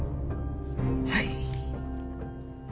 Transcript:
はい。